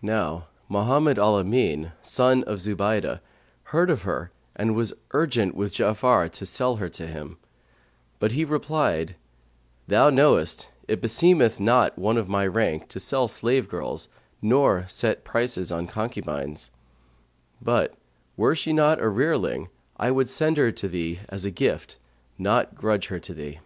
Now Mohammed al Amνn,[FN#134] son of Zubaydah, heard of her and was urgent with Ja'afar to sell her to him; but he replied, "Thou knowest it beseemeth not one of my rank to sell slave girls nor set prices on concubines; but were she not a rearling I would send her to thee, as a gift, not grudge her to thee."